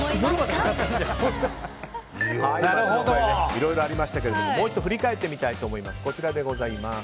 いろいろありましたがもう一度振り返っていこうと思います。